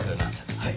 はい。